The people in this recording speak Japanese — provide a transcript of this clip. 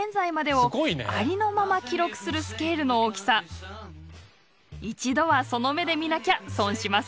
一度はその目で見なきゃ損しますよ。